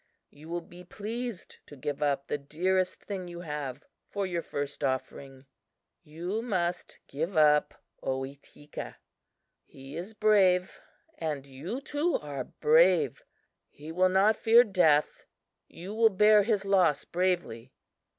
You will be pleased to give up the dearest thing you have for your first offering. You must give up Ohitika. He is brave; and you, too, are brave. He will not fear death; you will bear his loss bravely.